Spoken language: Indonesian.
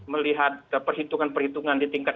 melihat perhitungan perhitungan di tingkat